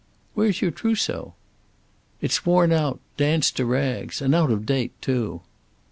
"Where's your trousseau?" "It's worn out danced to rags. And out of date, too."